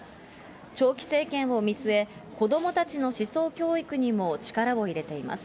長期政権を見据え、子どもたちの思想教育にも力を入れています。